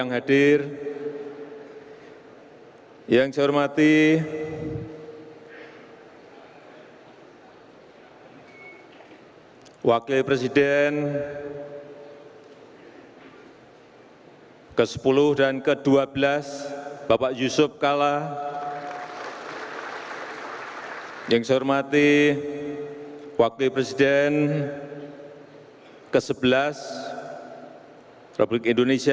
hei yang koram yang go